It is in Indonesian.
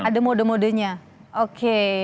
ada mode modenya oke